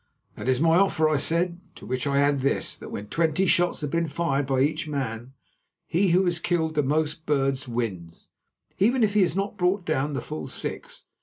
"That is my offer," I said, "to which I add this, that when twenty shots have been fired by each man, he who has killed the most birds wins, even if he has not brought down the full six.